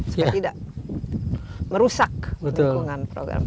supaya tidak merusak lingkungan program